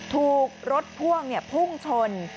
ถูกรถพ่วงพุ่งชน